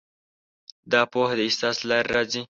دا پوهه د احساس له لارې راځي.